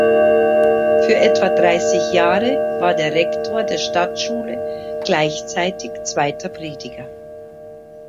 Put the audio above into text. Für etwa dreißig Jahre war der Rektor der Stadtschule gleichzeitig zweiter Prediger.